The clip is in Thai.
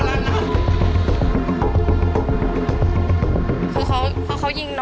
สะอาดได้ทั้งมากกูไม่มีความต้องกลัว